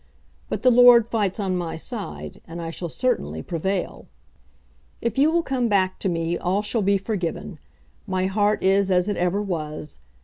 But the Lord fights on my side, and I shall certainly prevail. If you will come back to me all shall be forgiven. My heart is as it ever was.